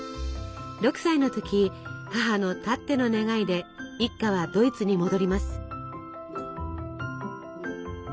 ６歳の時母のたっての願いで一家はドイツに戻ります。